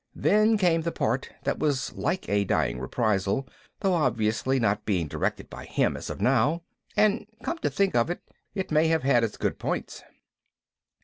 Then came the part that was like a dying reprisal, though obviously not being directed by him as of now. And come to think of it, it may have had its good points.